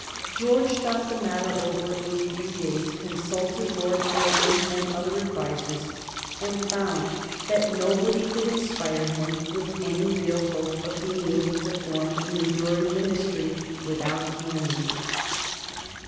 George thought the matter over a few days, consulted Lord Eldon and other advisers, and found that nobody could inspire him with any real hope of being able to form an enduring Ministry without Canning.